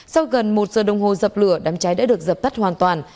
sau gần một giờ đồng hồ dập lửa đám cháy đã được dập tắt hoàn toàn